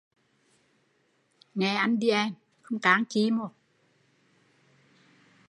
Nghe anh đi em, không can chi mô